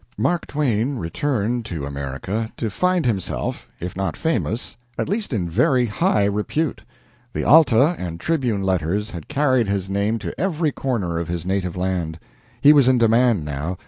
Mark Twain returned to America to find himself, if not famous, at least in very high repute. The "Alta" and "Tribune" letters had carried his name to every corner of his native land. He was in demand now.